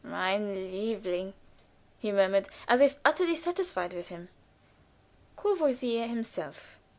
"Mein liebling!" he murmured, as if utterly satisfied with him. Courvoisier himself?